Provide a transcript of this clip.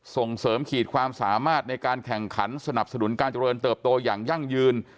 ส่งเสริมขีดความสามารถในการแข่งขันสนับสนุนการเจริญเติบโตอย่างยั่งยืน